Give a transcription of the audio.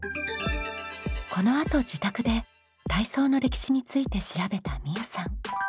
このあと自宅で体操の歴史について調べたみうさん。